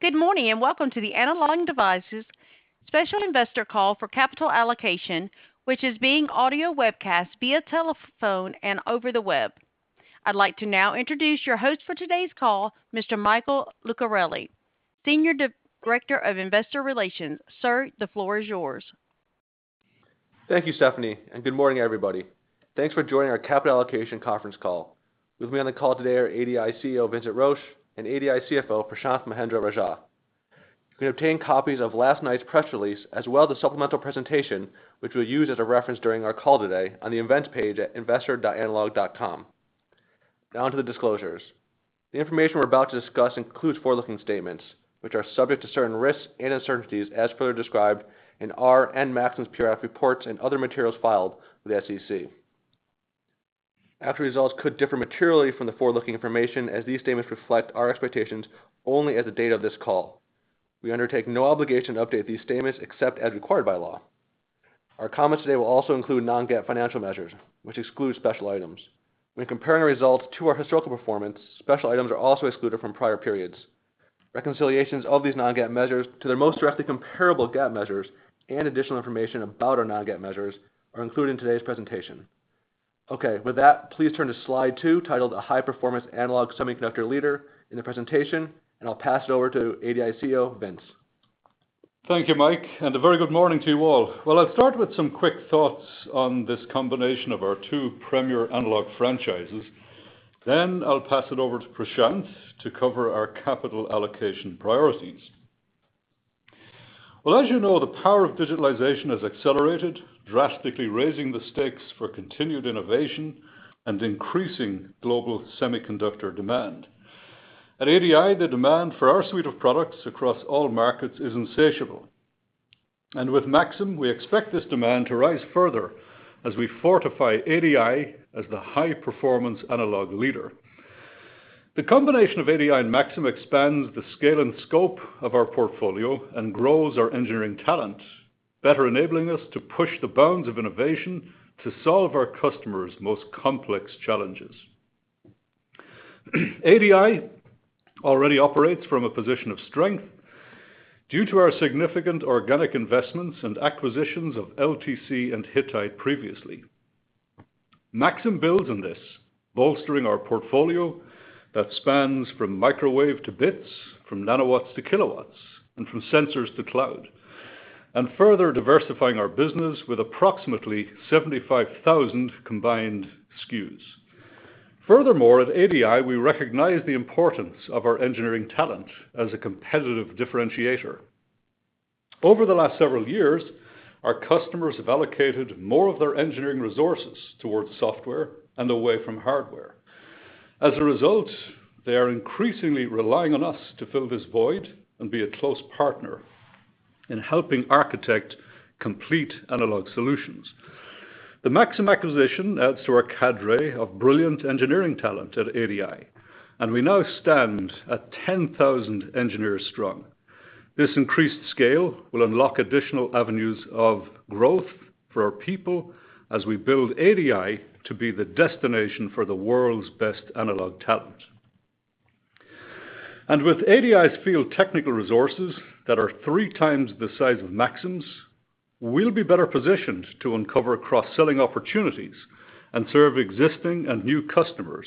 Good morning. Welcome to the Analog Devices special investor call for capital allocation, which is being audio webcast via telephone and over the web. I'd like to now introduce your host for today's call, Mr. Michael Lucarelli, Senior Director of Investor Relations. Sir, the floor is yours. Thank you, Stephanie, and good morning, everybody. Thanks for joining our capital allocation conference call. With me on the call today are ADI CEO, Vincent Roche, and ADI CFO, Prashanth Mahendra-Rajah. You can obtain copies of last night's press release, as well as the supplemental presentation, which we'll use as a reference during our call today on the events page at investor.analog.com. Now to the disclosures. The information we're about to discuss includes forward-looking statements, which are subject to certain risks and uncertainties as further described in our and Maxim's periodic reports and other materials filed with the SEC. Actual results could differ materially from the forward-looking information, as these statements reflect our expectations only as of the date of this call. We undertake no obligation to update these statements except as required by law. Our comments today will also include non-GAAP financial measures, which exclude special items. When comparing our results to our historical performance, special items are also excluded from prior periods. Reconciliations of these non-GAAP measures to their most directly comparable GAAP measures and additional information about our non-GAAP measures are included in today's presentation. Okay. With that, please turn to slide 2, titled A High Performance Analog Semiconductor Leader in the presentation, and I'll pass it over to ADI CEO, Vincent Roche. Thank you, Mike, and a very good morning to you all. Well, I'll start with some quick thoughts on this combination of our two premier analog franchises. I'll pass it over to Prashanth to cover our capital allocation priorities. Well, as you know, the power of digitalization has accelerated, drastically raising the stakes for continued innovation and increasing global semiconductor demand. At ADI, the demand for our suite of products across all markets is insatiable. With Maxim, we expect this demand to rise further as we fortify ADI as the high-performance analog leader. The combination of ADI and Maxim expands the scale and scope of our portfolio and grows our engineering talent, better enabling us to push the bounds of innovation to solve our customers' most complex challenges. ADI already operates from a position of strength due to our significant organic investments and acquisitions of LTC and Hittite previously. Maxim builds on this, bolstering our portfolio that spans from microwave to bits, from nanowatts to kilowatts, and from sensors to cloud, and further diversifying our business with approximately 75,000 combined SKUs. At ADI, we recognize the importance of our engineering talent as a competitive differentiator. Over the last several years, our customers have allocated more of their engineering resources towards software and away from hardware. They are increasingly relying on us to fill this void and be a close partner in helping architect complete analog solutions. The Maxim acquisition adds to our cadre of brilliant engineering talent at ADI, and we now stand at 10,000 engineers strong. This increased scale will unlock additional avenues of growth for our people as we build ADI to be the destination for the world's best analog talent. With ADI's field technical resources that are 3x the size of Maxim's, we'll be better positioned to uncover cross-selling opportunities and serve existing and new customers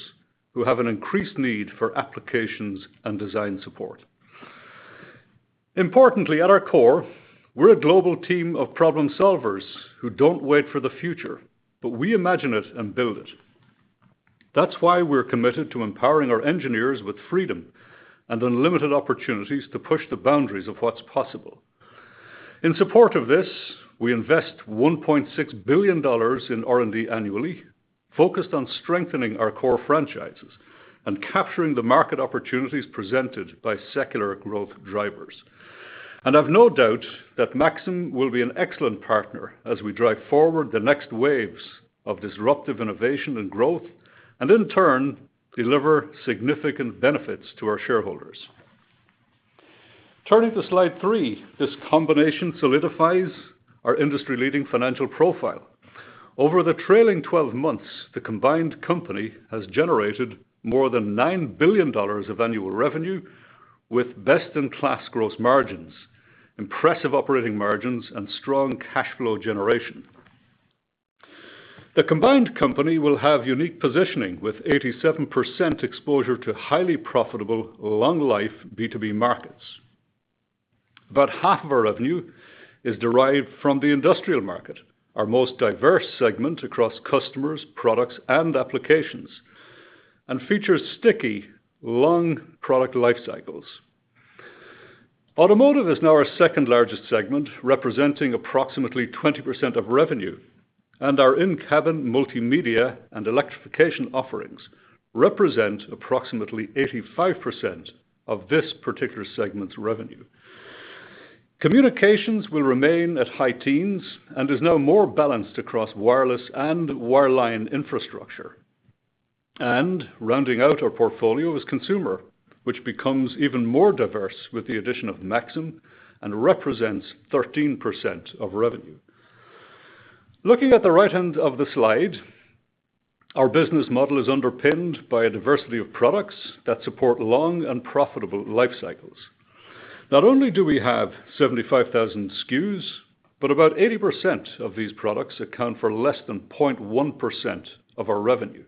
who have an increased need for applications and design support. Importantly, at our core, we're a global team of problem solvers who don't wait for the future, but we imagine it and build it. That's why we're committed to empowering our engineers with freedom and unlimited opportunities to push the boundaries of what's possible. In support of this, we invest $1.6 billion in R&D annually, focused on strengthening our core franchises and capturing the market opportunities presented by secular growth drivers. I've no doubt that Maxim will be an excellent partner as we drive forward the next waves of disruptive innovation and growth, and in turn, deliver significant benefits to our shareholders. Turning to slide 3, this combination solidifies our industry-leading financial profile. Over the trailing 12 months, the combined company has generated more than $9 billion of annual revenue with best-in-class gross margins, impressive operating margins, and strong cash flow generation. The combined company will have unique positioning with 87% exposure to highly profitable long life B2B markets. About half of our revenue is derived from the industrial market, our most diverse segment across customers, products, and applications, and features sticky, long product life cycles. Automotive is now our second largest segment, representing approximately 20% of revenue, and our in-cabin multimedia and electrification offerings represent approximately 85% of this particular segment's revenue. Communications will remain at high teens and is now more balanced across wireless and wireline infrastructure. Rounding out our portfolio is consumer, which becomes even more diverse with the addition of Maxim and represents 13% of revenue. Looking at the right hand of the slide, our business model is underpinned by a diversity of products that support long and profitable life cycles. Not only do we have 75,000 SKUs, but about 80% of these products account for less than 0.1% of our revenue.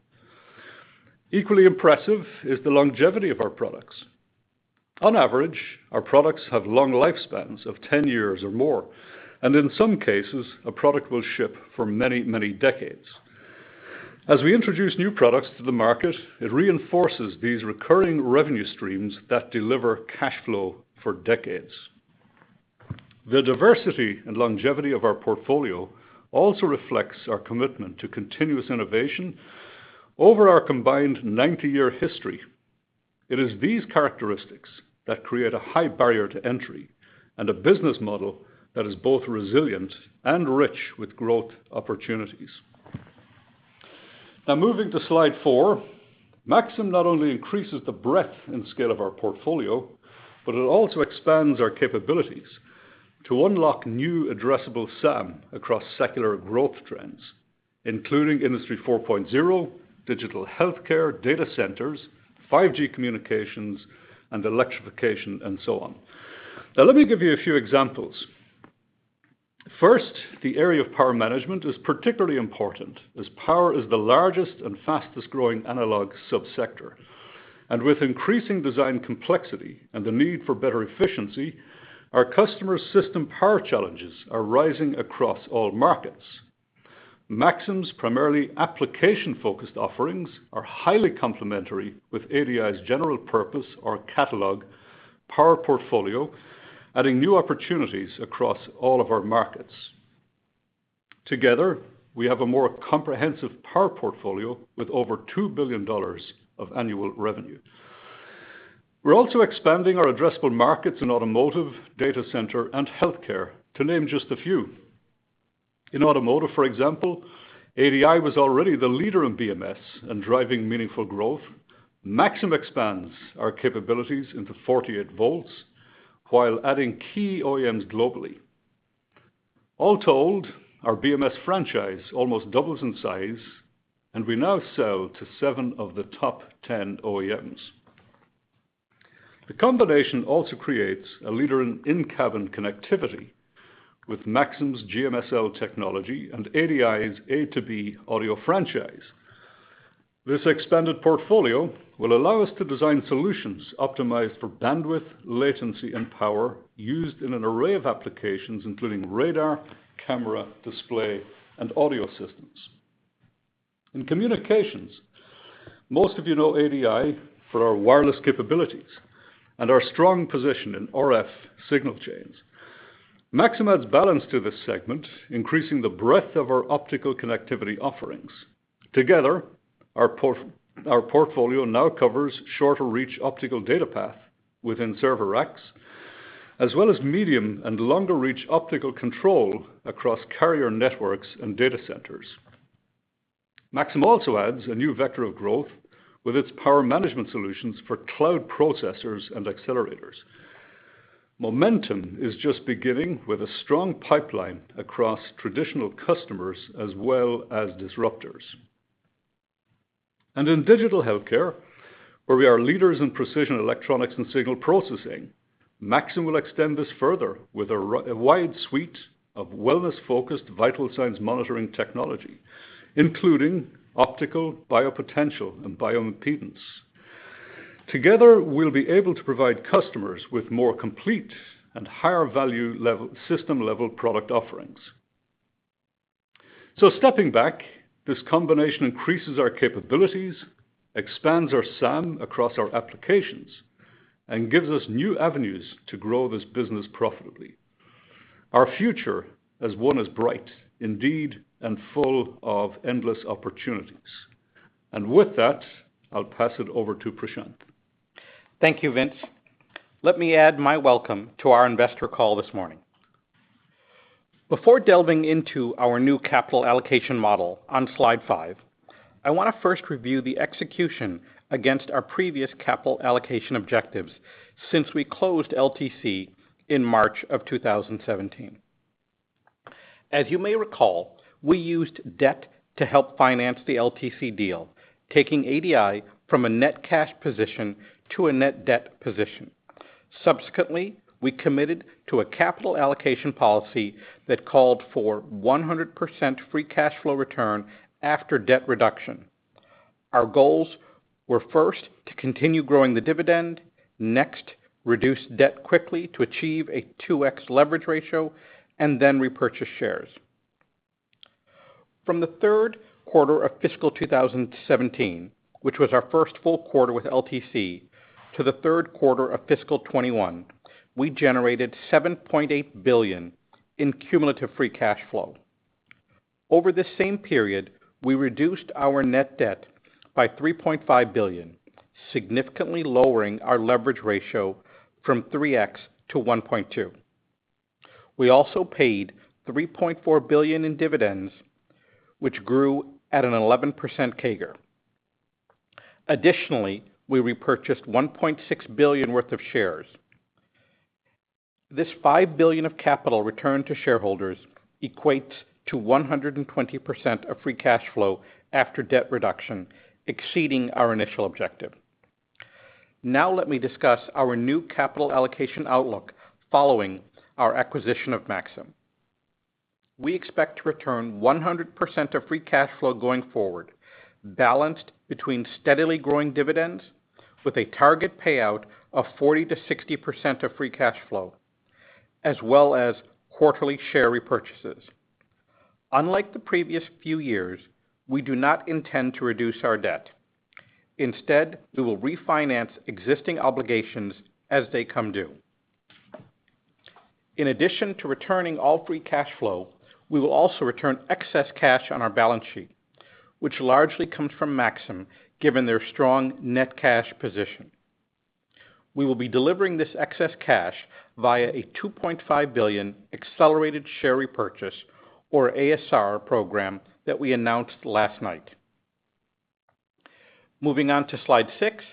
Equally impressive is the longevity of our products. On average, our products have long lifespans of 10 years or more, and in some cases, a product will ship for many, many decades. As we introduce new products to the market, it reinforces these recurring revenue streams that deliver cash flow for decades. The diversity and longevity of our portfolio also reflects our commitment to continuous innovation over our combined 90-year history. It is these characteristics that create a high barrier to entry and a business model that is both resilient and rich with growth opportunities. Moving to slide 4, Maxim not only increases the breadth and scale of our portfolio, but it also expands our capabilities to unlock new addressable SAM across secular growth trends, including Industry 4.0, digital healthcare, data centers, 5G communications, and electrification and so on. Let me give you a few examples. First, the area of power management is particularly important as power is the largest and fastest-growing analog sub-sector. With increasing design complexity and the need for better efficiency, our customer's system power challenges are rising across all markets. Maxim's primarily application-focused offerings are highly complementary with ADI's general purpose or catalog power portfolio, adding new opportunities across all of our markets. Together, we have a more comprehensive power portfolio with over $2 billion of annual revenue. We're also expanding our addressable markets in automotive, data center, and healthcare to name just a few. In automotive, for example, ADI was already the leader in BMS and driving meaningful growth. Maxim expands our capabilities into 48 volts while adding key OEMs globally. All told, our BMS franchise almost doubles in size, and we now sell to 7 of the top 10 OEMs. The combination also creates a leader in in-cabin connectivity with Maxim's GMSL technology and ADI's A2B audio franchise. This expanded portfolio will allow us to design solutions optimized for bandwidth, latency, and power used in an array of applications including radar, camera, display, and audio systems. In communications, most of you know ADI for our wireless capabilities and our strong position in RF signal chains. Maxim adds balance to this segment, increasing the breadth of our optical connectivity offerings. Together, our portfolio now covers shorter reach optical data path within server racks, as well as medium and longer reach optical control across carrier networks and data centers. Maxim also adds a new vector of growth with its power management solutions for cloud processors and accelerators. Momentum is just beginning with a strong pipeline across traditional customers as well as disruptors. In digital healthcare, where we are leaders in precision electronics and signal processing, Maxim will extend this further with a wide suite of wellness-focused vital signs monitoring technology, including optical, biopotential, and bioimpedance. Together, we'll be able to provide customers with more complete and higher value system level product offerings. Stepping back, this combination increases our capabilities, expands our SAM across our applications, and gives us new avenues to grow this business profitably. Our future as one is bright indeed and full of endless opportunities. With that, I'll pass it over to Prashanth. Thank you, Vince. Let me add my welcome to our investor call this morning. Before delving into our new capital allocation model on slide 5, I want to first review the execution against our previous capital allocation objectives since we closed LTC in March of 2017. As you may recall, we used debt to help finance the LTC deal, taking ADI from a net cash position to a net debt position. Subsequently, we committed to a capital allocation policy that called for 100% free cash flow return after debt reduction. Our goals were first to continue growing the dividend, next, reduce debt quickly to achieve a 2x leverage ratio, and then repurchase shares. From the third quarter of fiscal 2017, which was our first full quarter with LTC, to the third quarter of fiscal 2021, we generated $7.8 billion in cumulative free cash flow. Over this same period, we reduced our net debt by $3.5 billion, significantly lowering our leverage ratio from 3x to 1.2. We also paid $3.4 billion in dividends, which grew at an 11% CAGR. Additionally, we repurchased $1.6 billion worth of shares. This $5 billion of capital returned to shareholders equates to 120% of free cash flow after debt reduction, exceeding our initial objective. Now let me discuss our new capital allocation outlook following our acquisition of Maxim. We expect to return 100% of free cash flow going forward, balanced between steadily growing dividends, with a target payout of 40%-60% of free cash flow, as well as quarterly share repurchases. Unlike the previous few years, we do not intend to reduce our debt. Instead, we will refinance existing obligations as they come due. In addition to returning all free cash flow, we will also return excess cash on our balance sheet, which largely comes from Maxim, given their strong net cash position. We will be delivering this excess cash via a $2.5 billion accelerated share repurchase, or ASR program that we announced last night. Moving on to slide 6.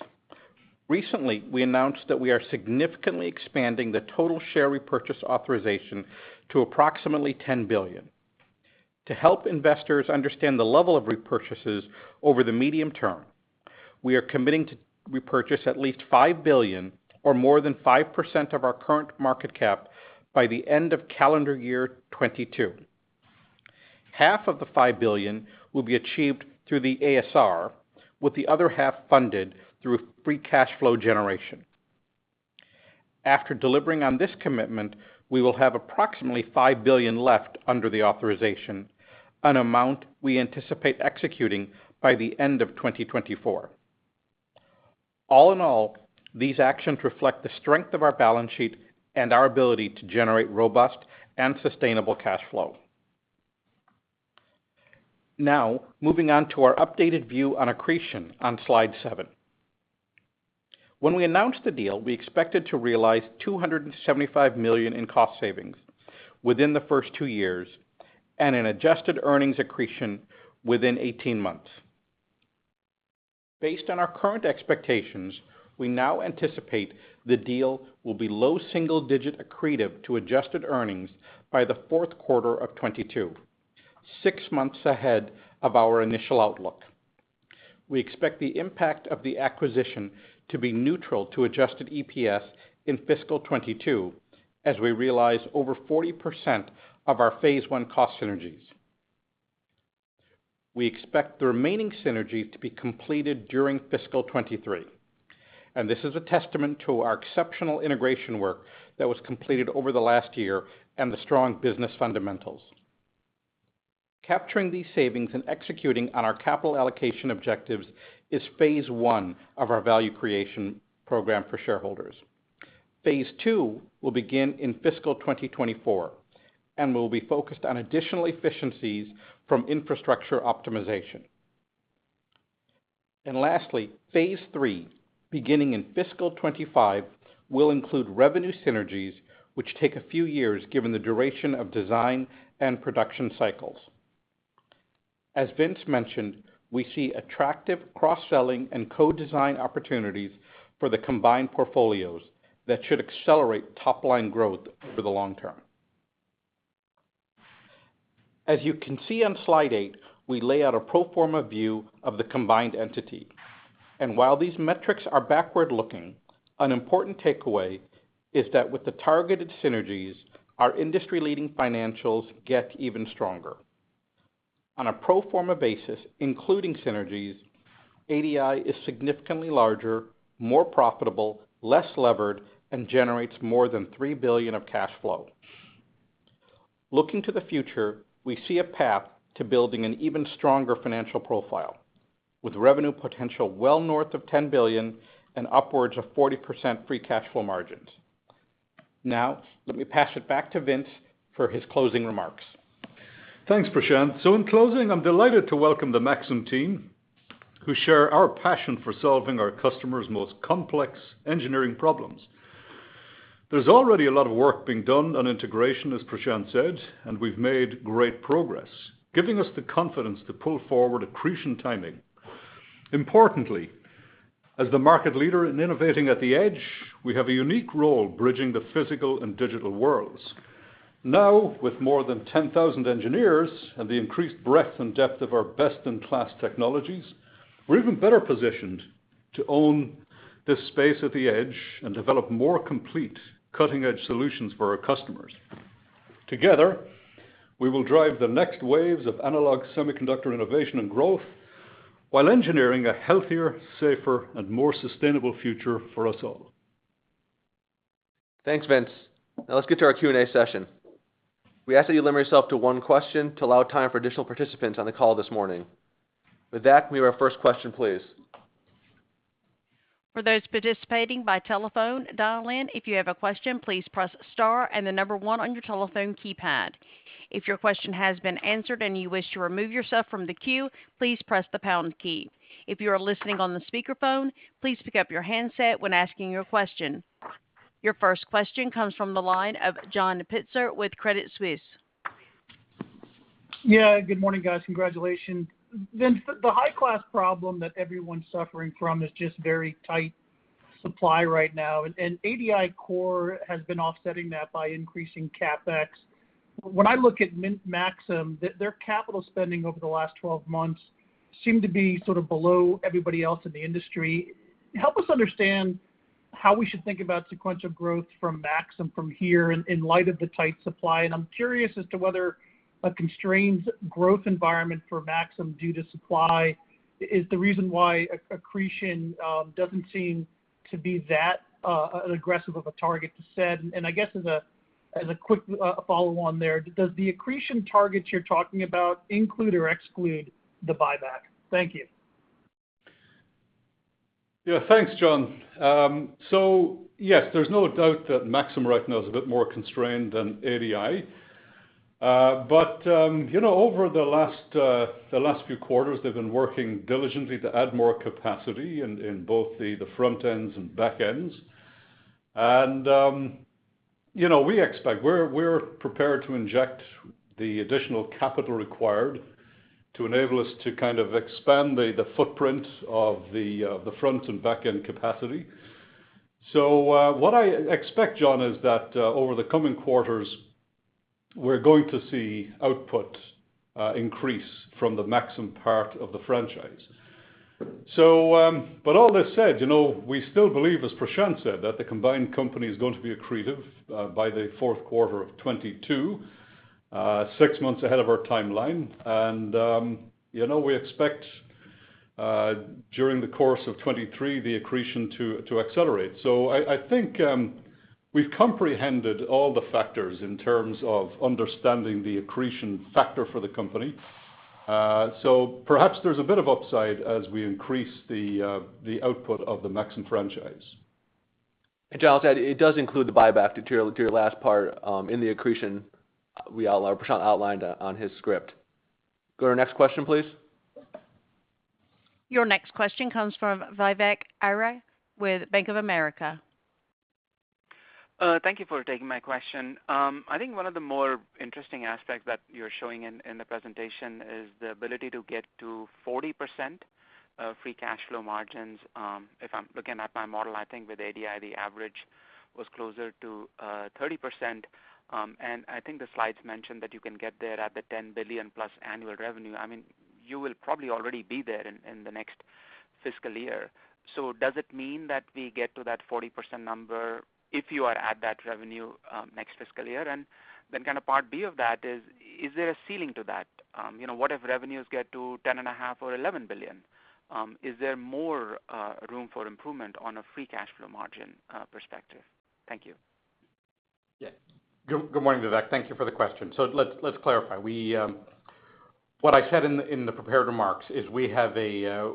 Recently, we announced that we are significantly expanding the total share repurchase authorization to approximately $10 billion. To help investors understand the level of repurchases over the medium term, we are committing to repurchase at least $5 billion or more than 5% of our current market cap by the end of calendar year 2022. Half of the $5 billion will be achieved through the ASR, with the other half funded through free cash flow generation. After delivering on this commitment, we will have approximately $5 billion left under the authorization, an amount we anticipate executing by the end of 2024. All in all, these actions reflect the strength of our balance sheet and our ability to generate robust and sustainable cash flow. Now, moving on to our updated view on accretion on slide 7. When we announced the deal, we expected to realize $275 million in cost savings within the first 2 years, and an adjusted earnings accretion within 18 months. Based on our current expectations, we now anticipate the deal will be low single-digit accretive to adjusted earnings by Q4 2022, 6 months ahead of our initial outlook. We expect the impact of the acquisition to be neutral to adjusted EPS in fiscal 2022, as we realize over 40% of our phase I cost synergies. We expect the remaining synergies to be completed during fiscal 2023. This is a testament to our exceptional integration work that was completed over the last year and the strong business fundamentals. Capturing these savings and executing on our capital allocation objectives is phase I of our value creation program for shareholders. Phase II will begin in fiscal 2024, will be focused on additional efficiencies from infrastructure optimization. Lastly, phase III, beginning in fiscal 2025, will include revenue synergies, which take a few years given the duration of design and production cycles. As Vince mentioned, we see attractive cross-selling and co-design opportunities for the combined portfolios that should accelerate top-line growth over the long term. As you can see on slide 8, we lay out a pro forma view of the combined entity. While these metrics are backward-looking, an important takeaway is that with the targeted synergies, our industry-leading financials get even stronger. On a pro forma basis, including synergies, ADI is significantly larger, more profitable, less levered, and generates more than $3 billion of cash flow. Looking to the future, we see a path to building an even stronger financial profile, with revenue potential well north of $10 billion and upwards of 40% free cash flow margins. Let me pass it back to Vince for his closing remarks. Thanks, Prashanth. In closing, I'm delighted to welcome the Maxim team, who share our passion for solving our customers' most complex engineering problems. There's already a lot of work being done on integration, as Prashanth said, and we've made great progress, giving us the confidence to pull forward accretion timing. Importantly, as the market leader in innovating at the Edge, we have a unique role bridging the physical and digital worlds. Now, with more than 10,000 engineers and the increased breadth and depth of our best-in-class technologies, we're even better positioned to own this space at the Edge and develop more complete cutting-edge solutions for our customers. Together, we will drive the next waves of analog semiconductor innovation and growth, while engineering a healthier, safer, and more sustainable future for us all. Thanks, Vince. Now let's get to our Q&A session. We ask that you limit yourself to one question to allow time for additional participants on the call this morning. With that, can we have our first question, please? For those participating by telephone dial-in, if you have a question, please press star and the number 1 on your telephone keypad. If your question has been answered and you wish to remove yourself from the queue, please press the pound key. If you are listening on the speakerphone, please pick up your handset when asking your question. Your first question comes from the line of John Pitzer with Credit Suisse. Yeah. Good morning, guys. Congratulations. Vince, the high-class problem that everyone's suffering from is just very tight supply right now, and ADI core has been offsetting that by increasing CapEx. When I look at Maxim, their capital spending over the last 12 months seemed to be sort of below everybody else in the industry. Help us understand how we should think about sequential growth from Maxim from here in light of the tight supply. I'm curious as to whether a constrained growth environment for Maxim due to supply is the reason why accretion doesn't seem to be that aggressive of a target to set. I guess as a quick follow-on there, does the accretion target you're talking about include or exclude the buyback? Thank you. Yeah, thanks, John. Yes, there's no doubt that Maxim right now is a bit more constrained than ADI. Over the last few quarters, they've been working diligently to add more capacity in both the front ends and back ends. We're prepared to inject the additional capital required to enable us to kind of expand the footprint of the front and back-end capacity. What I expect, John, is that over the coming quarters, we're going to see output increase from the Maxim part of the franchise. All this said, we still believe, as Prashanth said, that the combined company is going to be accretive by the fourth quarter of 2022, 6 months ahead of our timeline. We expect, during the course of 2023, the accretion to accelerate. I think we've comprehended all the factors in terms of understanding the accretion factor for the company. Perhaps there's a bit of upside as we increase the output of the Maxim franchise. John, I'll add, it does include the buyback to your last part in the accretion Prashanth outlined on his script. Go to our next question, please. Your next question comes from Vivek Arya with Bank of America. Thank you for taking my question. I think one of the more interesting aspects that you're showing in the presentation is the ability to get to 40% free cash flow margins. If I'm looking at my model, I think with ADI, the average was closer to 30%. I think the slides mentioned that you can get there at the $10 billion-plus annual revenue. You will probably already be there in the next fiscal year. Does it mean that we get to that 40% number if you are at that revenue next fiscal year? Kind of part B of that is there a ceiling to that? What if revenues get to $10.5 billion or $11 billion? Is there more room for improvement on a free cash flow margin perspective? Thank you. Yeah. Good morning, Vivek. Thank you for the question. Let's clarify. What I said in the prepared remarks is we have a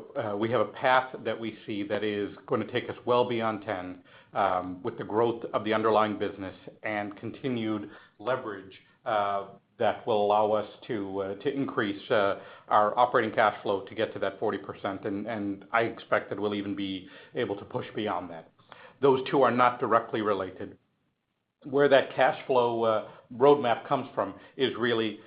path that we see that is going to take us well beyond 10 with the growth of the underlying business and continued leverage that will allow us to increase our operating cash flow to get to that 40%. I expect that we'll even be able to push beyond that. Those two are not directly related. Where that cash flow roadmap comes from is really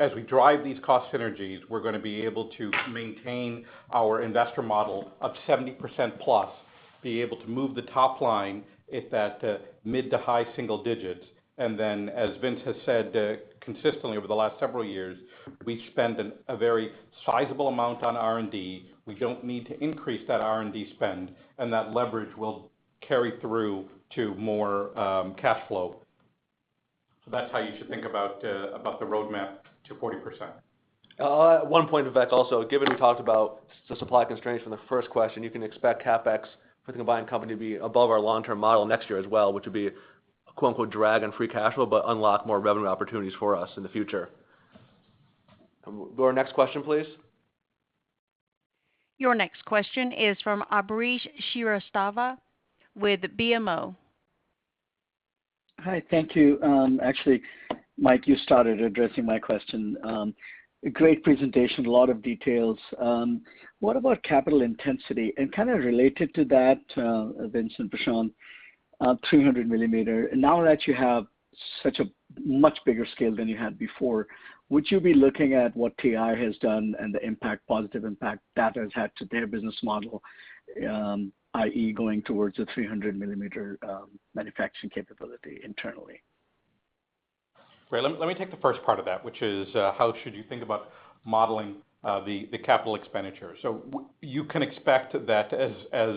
as we drive these cost synergies, we're going to be able to maintain our investor model of +70%, be able to move the top line at that mid to high single digits. As Vince has said consistently over the last several years, we spend a very sizable amount on R&D. We don't need to increase that R&D spend. That leverage will carry through to more cash flow. That's how you should think about the roadmap to 40%. One point, Vivek, also, given we talked about the supply constraints from the first question, you can expect CapEx for the combined company to be above our long-term model next year as well, which would be a quote-unquote drag on free cash flow, but unlock more revenue opportunities for us in the future. Go to our next question, please. Your next question is from Ambrish Srivastava with BMO. Hi. Thank you. Actually, Mike, you started addressing my question. Great presentation, a lot of details. What about capital intensity? Kind of related to that, Vince and Prashanth, 300 mm. Now that you have such a much bigger scale than you had before, would you be looking at what TI has done and the positive impact that has had to their business model, i.e., going towards a 300 mm manufacturing capability internally? Ray, let me take the first part of that, which is how should you think about modeling the capital expenditure. You can expect that, as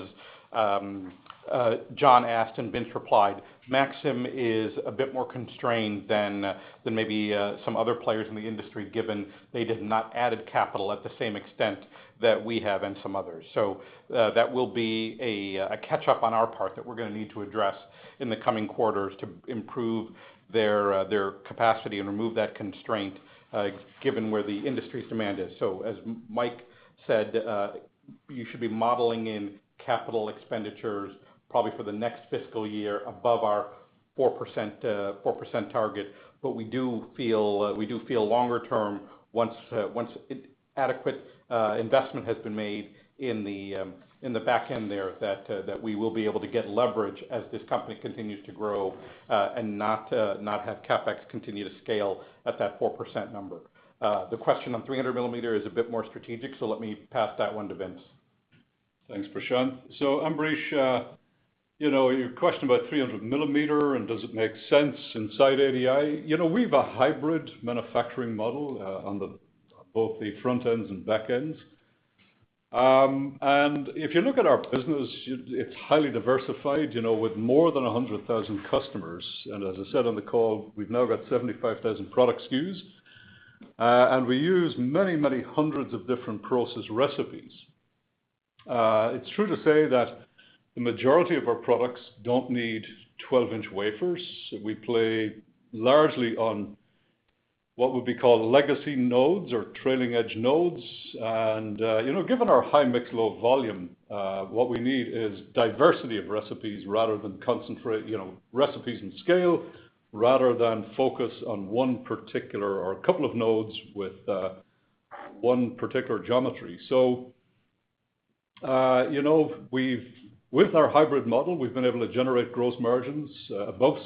John asked and Vince replied, Maxim is a bit more constrained than maybe some other players in the industry, given they did not added capital at the same extent that we have and some others. That will be a catch-up on our part that we're going to need to address in the coming quarters to improve their capacity and remove that constraint, given where the industry's demand is. As Mike said, you should be modeling in capital expenditures probably for the next fiscal year above our 4% target. We do feel longer term, once adequate investment has been made in the back end there, that we will be able to get leverage as this company continues to grow and not have CapEx continue to scale at that 4% number. The question on 300 millimeter is a bit more strategic, so let me pass that one to Vince. Thanks, Prashanth. Ambrish, your question about 300 millimeter and does it make sense inside ADI, we have a hybrid manufacturing model on both the front ends and back ends. If you look at our business, it's highly diversified, with more than 100,000 customers. As I said on the call, we've now got 75,000 product SKUs, and we use many hundreds of different process recipes. It's true to say that the majority of our products don't need 12-inch wafers. We play largely on what would be called legacy nodes or trailing edge nodes. Given our high mix, low volume, what we need is diversity of recipes rather than concentrate recipes and scale, rather than focus on one particular or a couple of nodes with one particular geometry. With our hybrid model, we've been able to generate gross margins above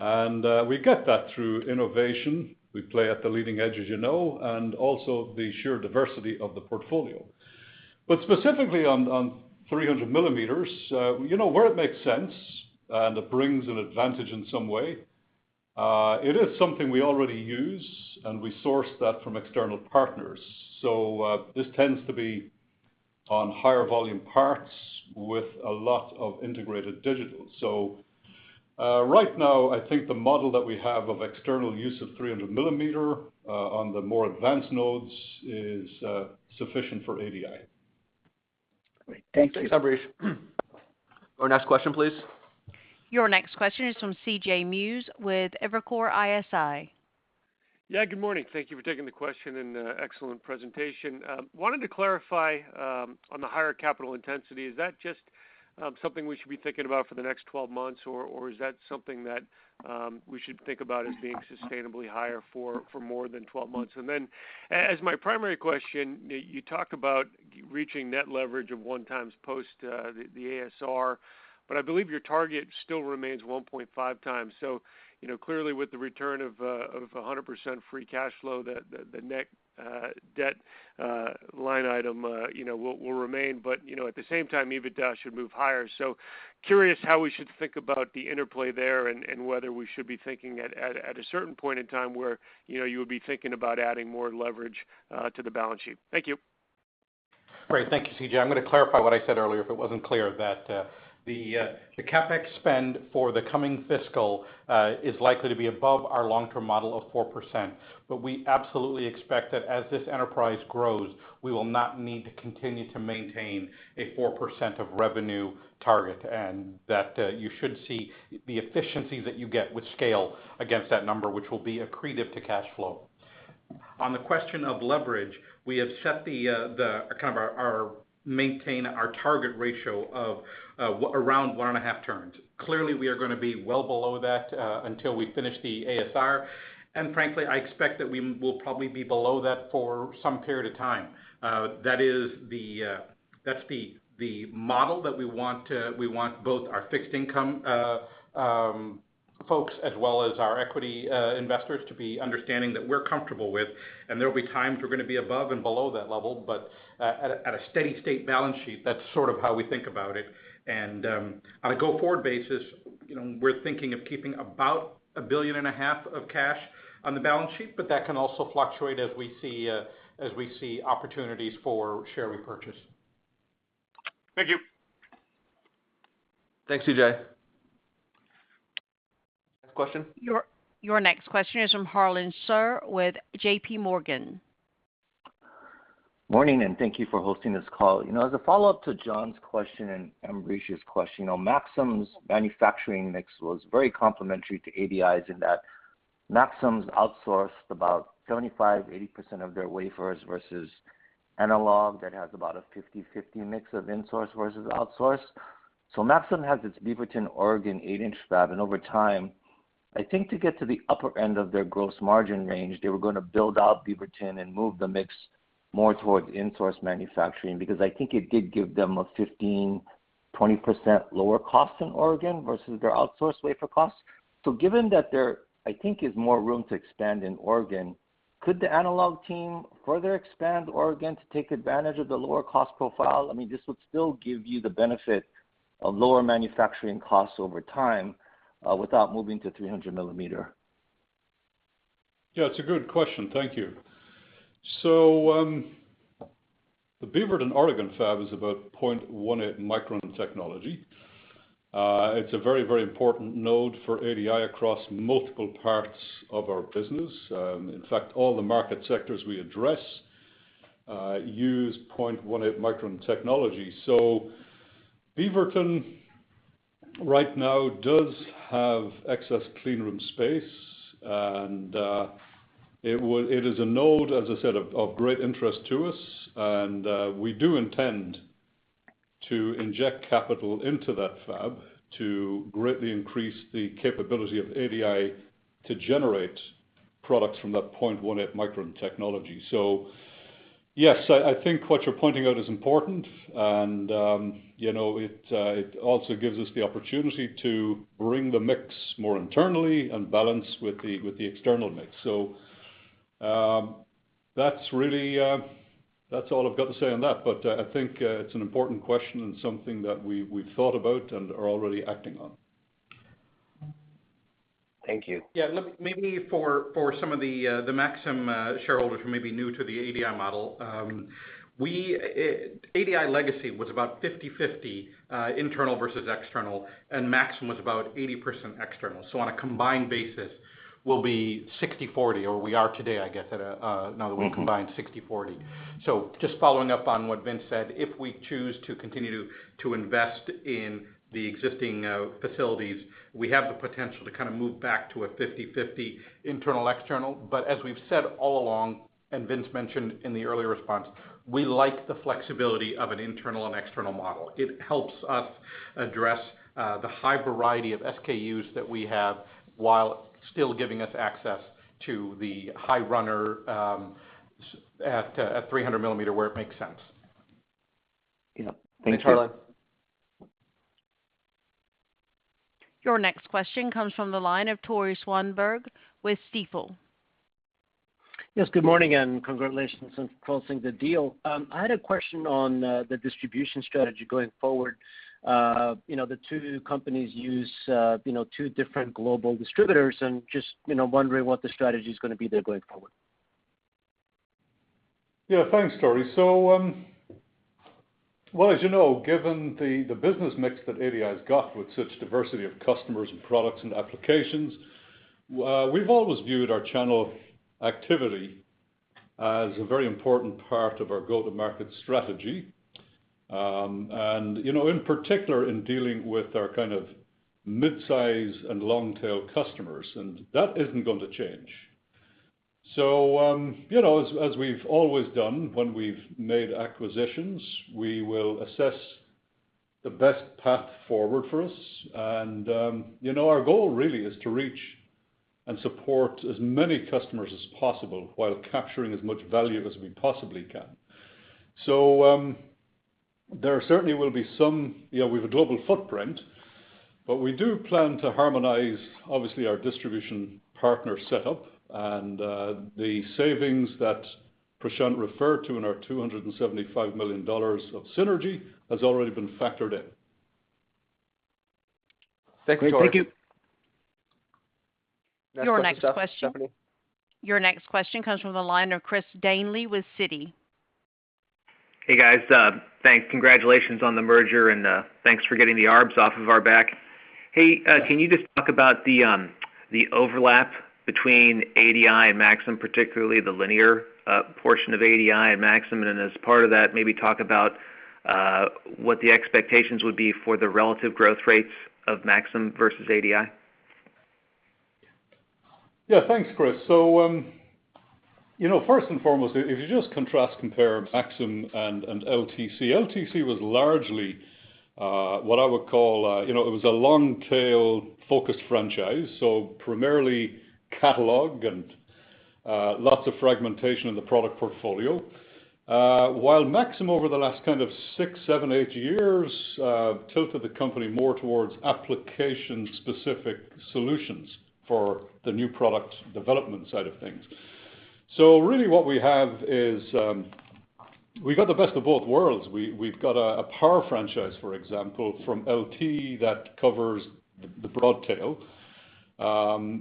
70%, and we get that through innovation. We play at the leading edge, as you know, and also the sheer diversity of the portfolio. Specifically on 300 millimeters, where it makes sense and it brings an advantage in some way, it is something we already use, and we source that from external partners. This tends to be on higher volume parts with a lot of integrated digital. Right now, I think the model that we have of external use of 300 millimeter on the more advanced nodes is sufficient for ADI. Great. Thank you. Thanks, Ambrish. Our next question, please. Your next question is from C.J. Muse with Evercore ISI. Good morning. Thank you for taking the question and excellent presentation. I wanted to clarify on the higher capital intensity, is that just something we should be thinking about for the next 12 months or is that something that we should think about as being sustainably higher for more than 12 months? As my primary question, you talk about reaching net leverage of 1x post the ASR, but I believe your target still remains 1.5x. Clearly with the return of 100% free cash flow, the net debt line item will remain. At the same time, EBITDA should move higher. I am curious how we should think about the interplay there and whether we should be thinking at a certain point in time where you would be thinking about adding more leverage to the balance sheet. Thank you. Great. Thank you, C.J. I'm going to clarify what I said earlier, if it wasn't clear, that the CapEx spend for the coming fiscal is likely to be above our long-term model of 4%. We absolutely expect that as this enterprise grows, we will not need to continue to maintain a 4% of revenue target and that you should see the efficiencies that you get with scale against that number, which will be accretive to cash flow. On the question of leverage, we have set our maintain our target ratio of around 1.5 turns. Clearly, we are going to be well below that until we finish the ASR. Frankly, I expect that we will probably be below that for some period of time. That's the model that we want both our fixed income folks as well as our equity investors to be understanding that we're comfortable with. There will be times we're going to be above and below that level, but at a steady state balance sheet, that's sort of how we think about it. On a go-forward basis, we're thinking of keeping about a billion and a half of cash on the balance sheet, but that can also fluctuate as we see opportunities for share repurchase. Thank you. Thanks, C.J. Next question. Your next question is from Harlan Sur with JPMorgan. Morning and thank you for hosting this call. As a follow-up to John's question and Ambrish's question, Maxim's manufacturing mix was very complementary to ADI's in that Maxim's outsourced about 75%, 80% of their wafers versus Analog that has about a 50/50 mix of insource versus outsource. Maxim has its Beaverton, Oregon, 8-in fab, and over time, I think to get to the upper end of their gross margin range, they were going to build out Beaverton and move the mix more towards insource manufacturing because I think it did give them a 15%, 20% lower cost in Oregon versus their outsource wafer cost. Given that there I think is more room to expand in Oregon, could the Analog team further expand Oregon to take advantage of the lower cost profile? This would still give you the benefit of lower manufacturing costs over time without moving to 300 mm. Yeah, it's a good question. Thank you. The Beaverton, Oregon fab is about 0.18 micron technology. It's a very important node for ADI across multiple parts of our business. In fact, all the market sectors we address use 0.18 micron technology. Beaverton right now does have excess clean room space, and it is a node, as I said, of great interest to us, and we do intend to inject capital into that fab to greatly increase the capability of ADI to generate products from that 0.18 micron technology. Yes, I think what you're pointing out is important, and it also gives us the opportunity to bring the mix more internally and balance with the external mix. That's all I've got to say on that, but I think it's an important question and something that we've thought about and are already acting on. Thank you. Look, maybe for some of the Maxim shareholders who may be new to the ADI model, ADI Legacy was about 50/50 internal versus external, and Maxim was about 80% external. On a combined basis, we'll be 60/40, or we are today, I guess, now that we're combined 60/40. Just following up on what Vince said, if we choose to continue to invest in the existing facilities, we have the potential to kind of move back to a 50/50 internal, external. As we've said all along, and Vince mentioned in the earlier response, we like the flexibility of an internal and external model. It helps us address the high variety of SKUs that we have while still giving us access to the high runner at 300 mm where it makes sense. Yeah. Thank you. Thanks, Charlie. Your next question comes from the line of Tore Svanberg with Stifel. Yes, good morning, and congratulations on closing the deal. I had a question on the distribution strategy going forward. The two companies use two different global distributors and just wondering what the strategy is going to be there going forward. Yeah, thanks, Tore. Well, as you know, given the business mix that ADI's got with such diversity of customers and products and applications, we've always viewed our channel activity as a very important part of our go-to-market strategy. In particular, in dealing with our kind of mid-size and long-tail customers, and that isn't going to change. As we've always done when we've made acquisitions, we will assess the best path forward for us. Our goal really is to reach and support as many customers as possible while capturing as much value as we possibly can. We have a global footprint, but we do plan to harmonize, obviously, our distribution partner setup, and the savings that Prashanth referred to in our $275 million of synergy has already been factored in. Thanks, Tore. Great. Thank you. Your next question. Next question, Stephanie. Your next question comes from the line of Chris Danely with Citi. Hey, guys. Thanks. Congratulations on the merger, and thanks for getting the arbs off of our back. Hey, can you just talk about the overlap between ADI and Maxim, particularly the linear portion of ADI and Maxim? Then as part of that, maybe talk about what the expectations would be for the relative growth rates of Maxim versus ADI. Yeah, thanks, Chris. First and foremost, if you just contrast compare Maxim and LTC. LTC was largely what I would call a long tail focused franchise, so primarily catalog and lots of fragmentation in the product portfolio. While Maxim, over the last kind of six, seven, eight years, tilted the company more towards application-specific solutions for the new product development side of things. Really what we have is, we got the best of both worlds. We've got a power franchise, for example, from LT that covers the broad tail.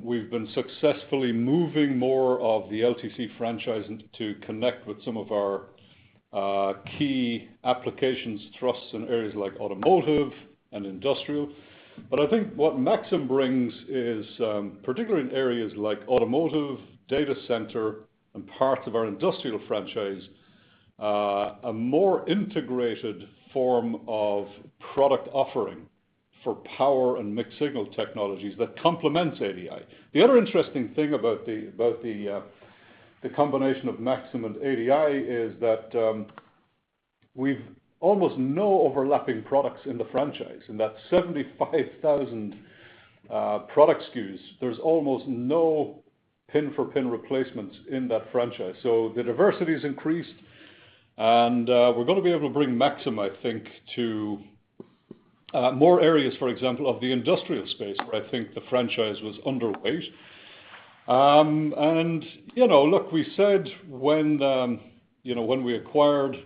We've been successfully moving more of the LTC franchise to connect with some of our key applications thrust in areas like automotive and industrial. I think what Maxim brings is, particularly in areas like automotive, data center, and parts of our industrial franchise, a more integrated form of product offering for power and mixed-signal technologies that complements ADI. The other interesting thing about the combination of Maxim and ADI is that we've almost no overlapping products in the franchise. In that 75,000 product SKUs, there's almost no pin for pin replacements in that franchise. The diversity's increased, and we're going to be able to bring Maxim, I think, to more areas, for example, of the industrial space where I think the franchise was underweight. Look, we said when we acquired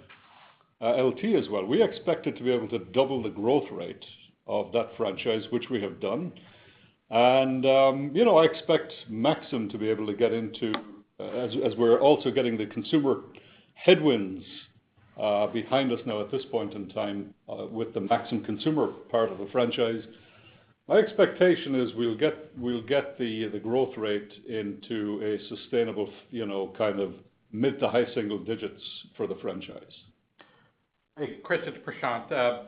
LT as well, we expected to be able to double the growth rate of that franchise, which we have done. I expect Maxim to be able to get into, as we're also getting the consumer headwinds behind us now at this point in time with the Maxim consumer part of the franchise. My expectation is we'll get the growth rate into a sustainable kind of mid to high single digits for the franchise. Hey, Chris, it's Prashant.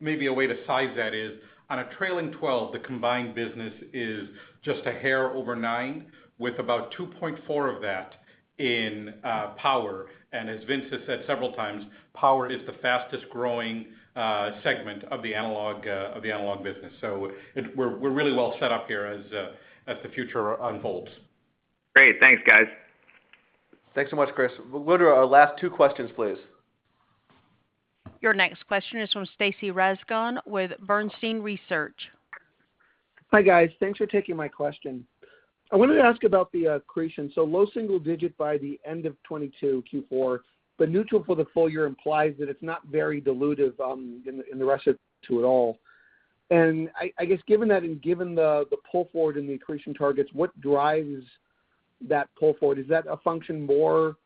Maybe a way to size that is on a trailing 12, the combined business is just a hair over $9, with about $2.4 of that in power. As Vince has said several times, power is the fastest-growing segment of the analog business. We're really well set up here as the future unfolds. Great. Thanks, guys. Thanks so much, Chris. Operator, our last 2 questions, please. Your next question is from Stacy Rasgon with Bernstein Research. Hi, guys. Thanks for taking my question. I wanted to ask about the accretion. Low single digit by the end of 2022 Q4, but neutral for the full year implies that it's not very dilutive in the rest of it all. I guess given that and given the pull forward in the accretion targets, what drives that pull forward? Is that a function more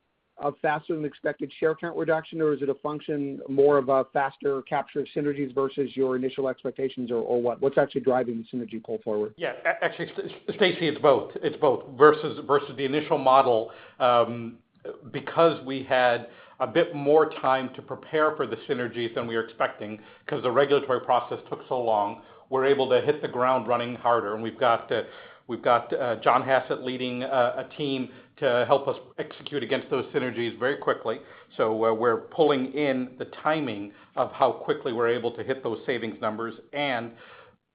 of faster than expected share count reduction, or is it a function more of a faster capture of synergies versus your initial expectations, or what? What's actually driving the synergy pull forward? Yeah. Actually, Stacy, it's both. Versus the initial model, because we had a bit more time to prepare for the synergies than we were expecting because the regulatory process took so long, we're able to hit the ground running harder. We've got John Hassett leading a team to help us execute against those synergies very quickly. We're pulling in the timing of how quickly we're able to hit those savings numbers, and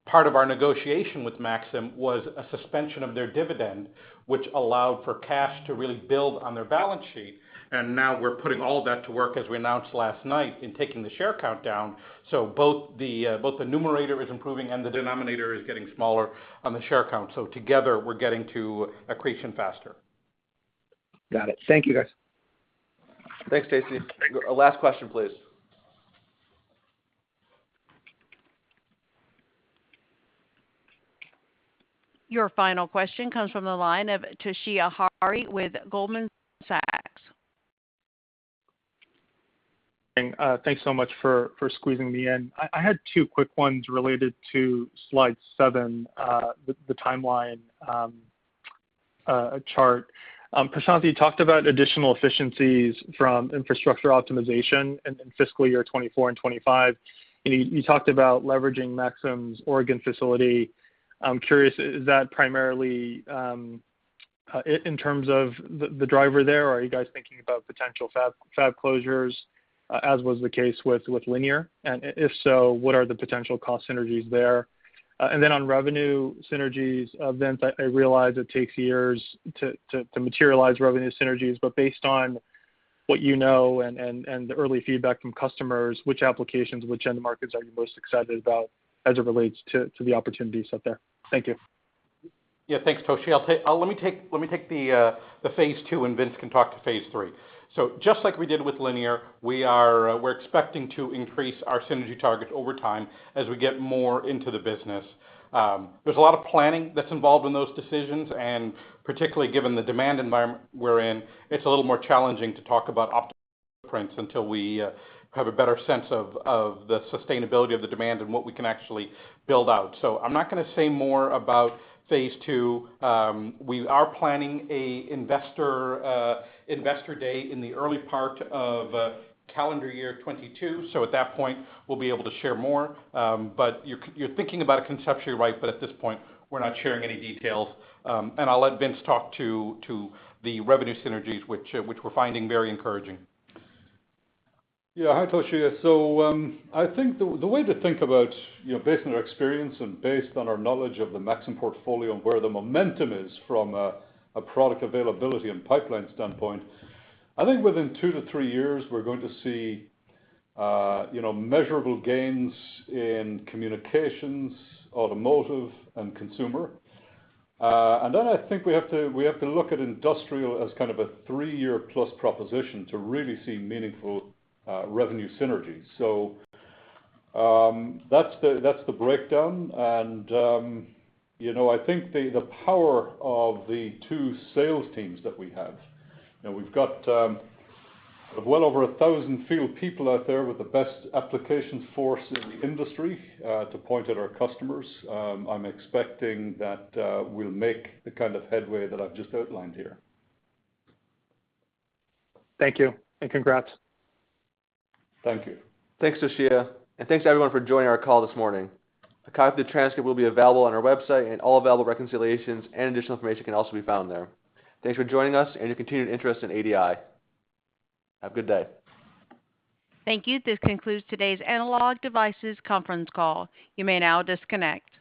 part of our negotiation with Maxim was a suspension of their dividend, which allowed for cash to really build on their balance sheet. Now we're putting all that to work, as we announced last night, in taking the share count down. Both the numerator is improving and the denominator is getting smaller on the share count. Together, we're getting to accretion faster. Got it. Thank you, guys. Thanks, Stacy. Last question, please. Your final question comes from the line of Toshiya Hari with Goldman Sachs. Thanks so much for squeezing me in. I had two quick ones related to slide 7, the timeline chart. Prashanth, you talked about additional efficiencies from infrastructure optimization in fiscal year 2024 and 2025, and you talked about leveraging Maxim's Oregon facility. I'm curious, is that primarily in terms of the driver there, or are you guys thinking about potential fab closures, as was the case with Linear? If so, what are the potential cost synergies there? Then on revenue synergies, Vince, I realize it takes years to materialize revenue synergies. Based on what you know and the early feedback from customers, which applications, which end markets are you most excited about as it relates to the opportunities out there? Thank you. Yeah. Thanks, Toshiya. Let me take the phase II, and Vince can talk to phase III. Just like we did with Linear, we're expecting to increase our synergy targets over time as we get more into the business. There's a lot of planning that's involved in those decisions, and particularly given the demand environment we're in, it's a little more challenging to talk about optimal prints until we have a better sense of the sustainability of the demand and what we can actually build out. I'm not going to say more about phase II. We are planning an investor day in the early part of calendar year 2022. At that point, we'll be able to share more. You're thinking about it conceptually right, but at this point, we're not sharing any details. I'll let Vince talk to the revenue synergies, which we're finding very encouraging. Yeah. Hi, Toshiya. I think the way to think about, based on our experience and based on our knowledge of the Maxim portfolio and where the momentum is from a product availability and pipeline standpoint, I think within 2-3 years, we're going to see measurable gains in communications, automotive, and consumer. I think we have to look at industrial as kind of a 3-year-plus proposition to really see meaningful revenue synergies. That's the breakdown. I think the power of the 2 sales teams that we have, we've got well over 1,000 field people out there with the best applications force in the industry to point at our customers. I'm expecting that we'll make the kind of headway that I've just outlined here. Thank you, and congrats. Thank you. Thanks, Toshiya. Thanks, everyone, for joining our call this morning. A copy of the transcript will be available on our website, and all available reconciliations and additional information can also be found there. Thanks for joining us and your continued interest in ADI. Have a good day. Thank you. This concludes today's Analog Devices conference call. You may now disconnect.